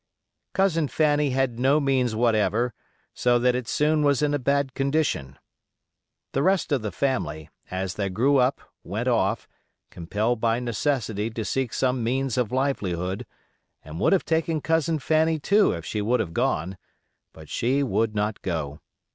Cousin Fanny had no means whatever, so that it soon was in a bad condition. The rest of the family, as they grew up, went off, compelled by necessity to seek some means of livelihood, and would have taken Cousin Fanny too if she would have gone; but she would not go.